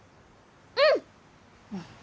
うん！